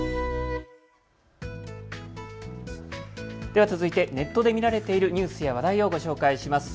では続いてネットで見られているニュースや話題をご紹介します。